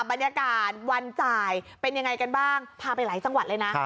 บรรยากาศวันจ่ายเป็นยังไงกันบ้างพาไปหลายจังหวัดเลยนะ